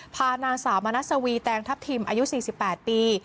พานางสาวมณัสวีแตงทัพทิมอายุ๔๘ปี